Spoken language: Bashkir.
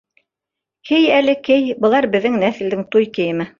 Кей әле, кей, былар беҙҙең нәҫелдең туй кейеме.